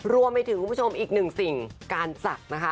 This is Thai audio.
รวมไปถึงคุณผู้ชมอีกหนึ่งสิ่งการศักดิ์นะคะ